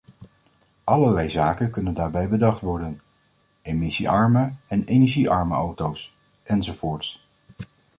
Allerlei zaken kunnen daarbij bedacht worden: emissie-arme en energie-arme auto's enzovoorts...